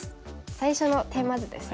最初のテーマ図ですね。